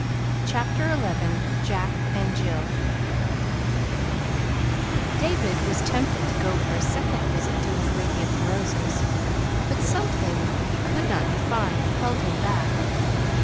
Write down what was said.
CHAPTER XI JACK AND JILL David was tempted to go for a second visit to his Lady of the Roses, but something he could not define held him back.